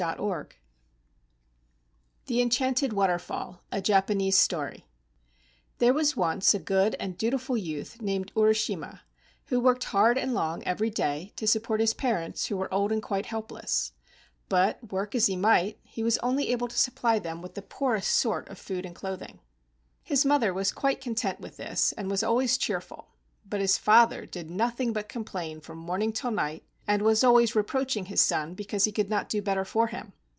148 THE ENCHANTED WATERFALL A Japanese Story There was once a good and dutiful youth named Urishima who worked hard and long every day to support his parents, who were old and quite helpless, but work as he might, he was only able to supply them with the poorest sort of food and clothing. His mother was quite content with this and was always cheerful, but his father did nothing but complain from morning till night, and was always reproaching his son because he could not do better for him.